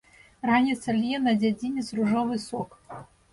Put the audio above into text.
Раніца лье на дзядзінец ружовы сок.